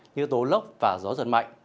như tố lốc và gió giật mạnh